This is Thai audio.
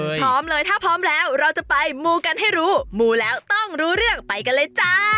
พร้อมเลยถ้าพร้อมแล้วเราจะไปมูกันให้รู้มูแล้วต้องรู้เรื่องไปกันเลยจ้า